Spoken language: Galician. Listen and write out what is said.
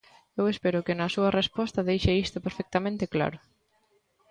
Eu espero que na súa resposta deixe isto perfectamente claro.